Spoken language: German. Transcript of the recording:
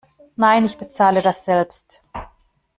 Nein, ich bezahle das selbst.